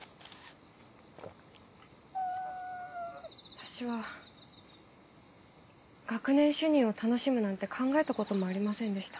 私は学年主任を楽しむなんて考えた事もありませんでした。